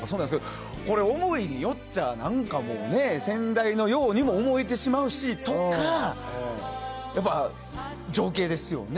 思いによっちゃ先代のようにも思えてしまうしとか情景ですね。